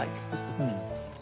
うん。